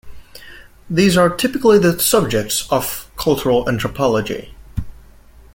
These are typically the subjects of cultural anthropology.